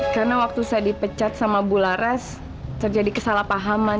karena waktu saya dipecat sama bulares terjadi kesalahpahaman